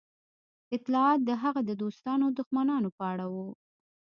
اطلاعات د هغه د دوستانو او دښمنانو په اړه وو